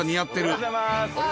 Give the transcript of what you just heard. おはようございます。